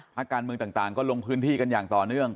ภาคการเมืองต่างก็ลงพื้นที่กันอย่างต่อเนื่อง